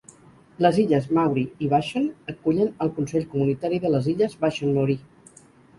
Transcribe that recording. Les illes Maury i Vashon acullen el "Consell Comunitari de les Illes Vashon-Maury".